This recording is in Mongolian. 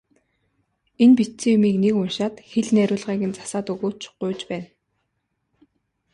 Энэ бичсэн юмыг нэг уншаад хэл найруулгыг нь засаад өгөөч, гуйж байна.